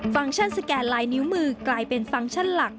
ฟังก์ชั่นสแกนลายนิ้วมือกลายเป็นฟังก์ชั่นหลัก